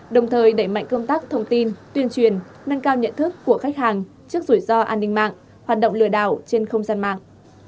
đồng thời đẩy mạnh công tác thông tin tuyên truyền nâng cao nhận thức của khách hàng trước rủi ro an ninh mạng hoạt động lừa đảo trên không gian mạng